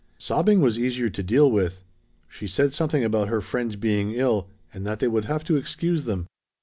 Sobbing was easier to deal with. She said something about her friend's being ill, and that they would have to excuse them.